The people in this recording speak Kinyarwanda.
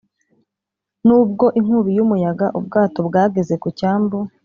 nubwo inkubi y'umuyaga, ubwato bwageze ku cyambu.